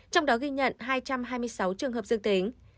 trong đó ghi nhận hai trăm hai mươi sáu trường hợp dương tính